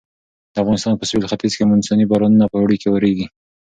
د افغانستان په سویل ختیځ کې مونسوني بارانونه په اوړي کې ورېږي.